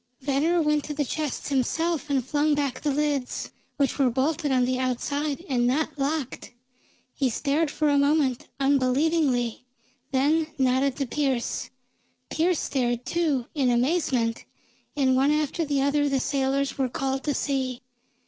Venner went to the chests himself and flung back the lids, which were bolted on the outside and not locked. He stared for a moment, unbelievingly, then nodded to Pearse. Pearse stared, too, in amazement, and one after the other the sailors were called to see.